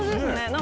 何？